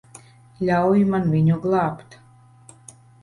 Ļauj man viņu glābt.